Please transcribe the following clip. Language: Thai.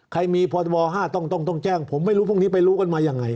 ใครมีพรบ๕ต้องแจ้งผมไม่รู้พรุ่งนี้ไปรู้กันมายังไง